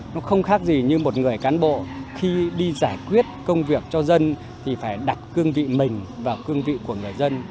nó không khác gì như một người cán bộ khi đi giải quyết công việc cho dân thì phải đặt cương vị mình vào cương vị của người dân